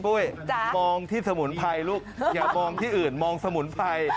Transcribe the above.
ปุ้ยมองที่สมุนไพรลูกอย่ามองที่อื่นมองสมุนไพร